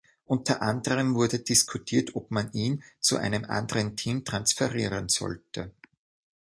Unter anderem wurde diskutiert, ob man ihn zu einem anderen Team transferieren sollte.